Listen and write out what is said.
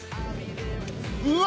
うわ！